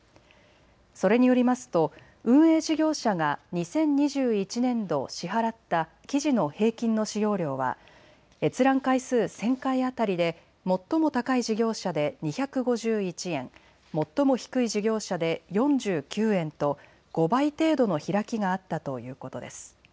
それによりますと運営事業者が２０２１年度、支払った記事の平均の使用料は閲覧回数１０００回当たりで最も高い事業者で２５１円、最も低い事業者で４９円と５倍程度の開きがあったということです。